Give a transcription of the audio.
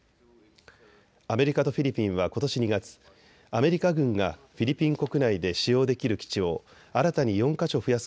アメリカとフィリピンはことし２月、アメリカ軍がフィリピン国内で使用できる基地を新たに４か所増やす